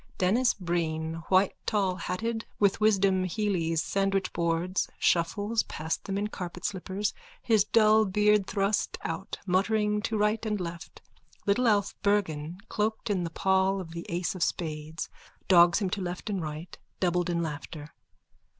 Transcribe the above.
_(Denis Breen, whitetallhatted, with Wisdom Hely's sandwichboards, shuffles past them in carpet slippers, his dull beard thrust out, muttering to right and left. Little Alf Bergan, cloaked in the pall of the ace of spades, dogs him to left and right, doubled in laughter.)